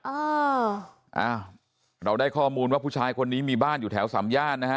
เออเราได้ข้อมูลว่าผู้ชายคนนี้มีบ้านอยู่แถวสามญาณ